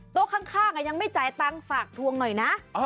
ข้างยังไม่จ่ายตังค์ฝากทวงหน่อยนะ